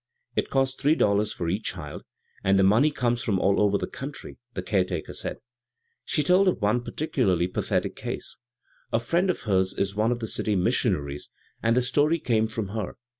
It costs three dollars for each child, and the money comes from all over the country, the caretaker said. She told of one particuiariy 164 b, Google CROSS CURRENTS pathetic case. A friend of hers is one of the city missionaries, and the story came from her.